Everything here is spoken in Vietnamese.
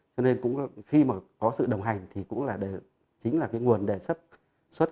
cho nên cũng khi mà có sự đồng hành thì cũng là chính là cái nguồn để xuất